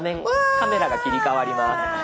カメラが切り替わります。